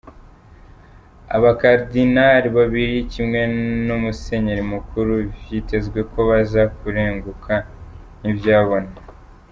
Aba cardinal babiri kimwe n'umusenyeri mukuru, vyitezwe ko baja kurenguka nk'ivyabona.